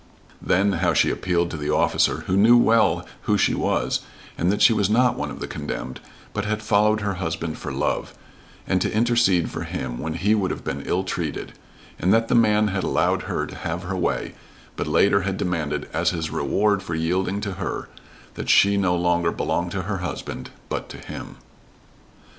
Then how she appealed to the officer who knew well who she was and that she was not one of the condemned, but had followed her husband for love, and to intercede for him when he would have been ill treated; and that the man had allowed her to have her way, but later had demanded as his reward for yielding to her, that she no longer belong to her husband, but to him.